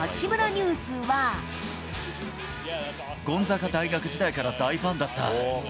ゴンザガ大学時代から大ファンだった。